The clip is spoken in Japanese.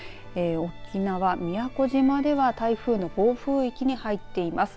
沖縄宮古島では台風の暴風域に入っています。